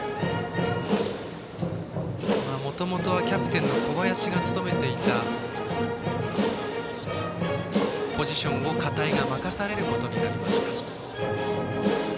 もともとはキャプテンの小林が務めていたポジションを片井が任されることになりました。